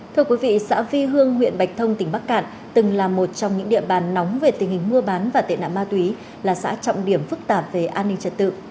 thưa quý vị xã vi hương huyện bạch thông tỉnh bắc cạn từng là một trong những địa bàn nóng về tình hình mua bán và tệ nạn ma túy là xã trọng điểm phức tạp về an ninh trật tự